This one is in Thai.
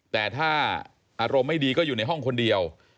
แต่ถ้าอารมณ์ไม่ดีก็อยู่ในห้องคนเดียว